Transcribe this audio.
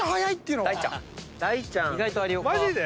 マジで？